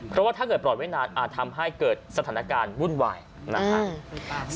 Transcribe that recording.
เพราะว่าถ้าเกิดปล่อยไว้นานอาจทำให้เกิดสถานการณ์วุ่นวายนะครับ